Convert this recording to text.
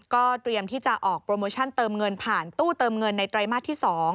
ก็เตรียมที่จะออกโปรโมชั่นเติมเงินผ่านตู้เติมเงินในไตรมาสที่๒